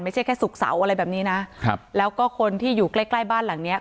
ไม่ใช่แค่ศุกร์เสาร์อะไรแบบนี้นะครับแล้วก็คนที่อยู่ใกล้ใกล้บ้านหลังเนี้ย